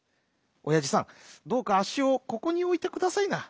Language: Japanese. おやじさんどうかあっしをここにおいてくださいな。